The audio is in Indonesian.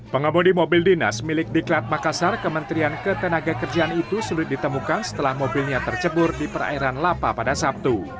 pengemudi mobil dinas milik diklat makassar kementerian ketenaga kerjaan itu sulit ditemukan setelah mobilnya tercebur di perairan lapa pada sabtu